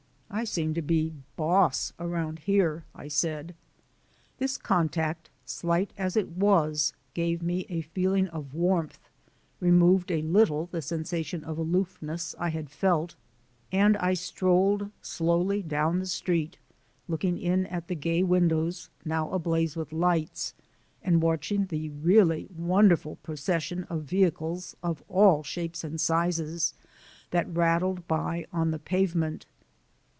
"I seem to be 'boss' around here," I said. This contact, slight as it was, gave me a feeling of warmth, removed a little the sensation of aloofness I had felt, and I strolled slowly down the street, looking in at the gay windows, now ablaze with lights, and watching the really wonderful procession of vehicles of all shapes and sizes that rattled by on the pavement.